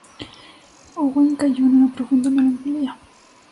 Owain cayó en una profunda melancolía.